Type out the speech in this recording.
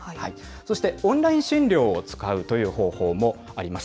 そしてオンライン診療を使うという方法もあります。